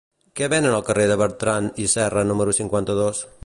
Què venen al carrer de Bertrand i Serra número cinquanta-dos?